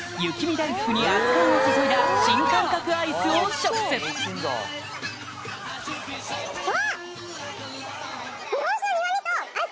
だいふくに熱燗を注いだ新感覚アイスを食すうわ！